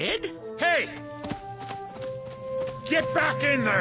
はい。